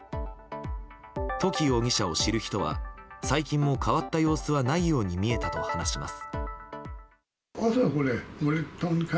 土岐容疑者を知る人は最近も変わった様子はないように見えたと話します。